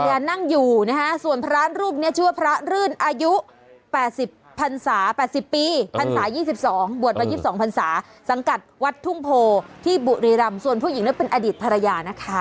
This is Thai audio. นั่งอยู่นะฮะส่วนพระรูปนี้ชื่อว่าพระรื่นอายุ๘๐พันศา๘๐ปีพันศา๒๒บวชมา๒๒พันศาสังกัดวัดทุ่งโพที่บุรีรำส่วนผู้หญิงนั้นเป็นอดีตภรรยานะคะ